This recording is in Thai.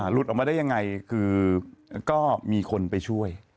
หลุดออกมาได้ยังไงคือก็มีคนไปช่วย